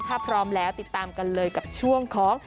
ถ้าพร้อมแล้วติดตามกันเลยกับช่วงของ